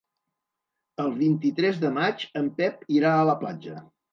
El vint-i-tres de maig en Pep irà a la platja.